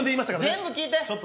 全部聞いて。